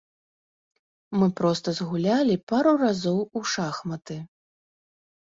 Мы проста згулялі пару разоў у шахматы.